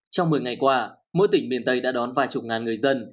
trong một mươi ngày qua mỗi tỉnh miền tây đã đón vài chục ngàn người dân